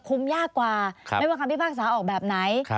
ยากกว่าไม่ว่าคำพิพากษาออกแบบไหน